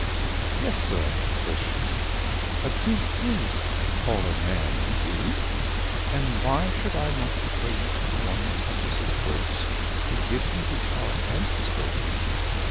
"Yes, sir," says she, "a Duke IS a taller man than you. And why should I not be grateful to one such as his Grace, who gives me his heart and his great name?